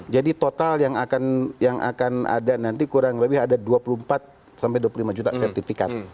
jadi total yang akan ada nanti kurang lebih ada dua puluh empat sampai dua puluh lima juta sertifikat